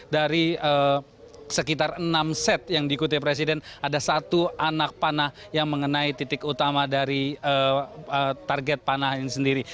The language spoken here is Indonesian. dari sekitar enam set yang diikuti presiden ada satu anak panah yang mengenai titik utama dari target panah ini sendiri